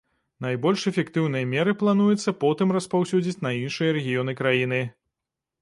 Найбольш эфектыўныя меры плануецца потым распаўсюдзіць на іншыя рэгіёны краіны.